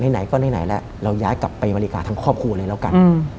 ไหนก็ไหนแล้วเราย้ายกลับไปอเมริกาทั้งครอบครัวเลยแล้วกัน